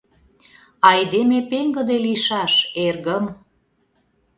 Айдеме пеҥгыде лийшаш, эргым...